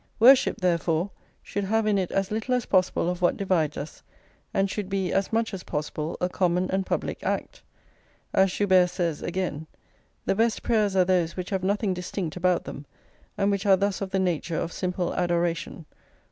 Worship, therefore, should have in it as little as possible of what divides us, and should be as much as possible a common and public act; as Joubert says again: "The best prayers are those which have nothing distinct about them, and which are thus of the nature of simple adoration."